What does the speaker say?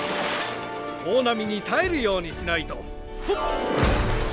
大波に耐えるようにしないと。